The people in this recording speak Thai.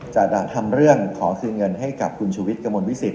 จะทำเรื่องขอคืนเงินให้กับคุณชูวิทย์กระมวลวิสิต